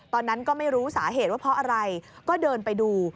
ตอนนั้นก็ไม่รู้สาเหตุว่าเพราะอะไรก็เดินไปดู